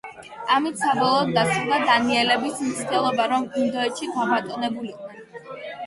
ამით საბოლოოდ დასრულდა დანიელების მცდელობა, რომ ინდოეთში გაბატონებულიყვნენ.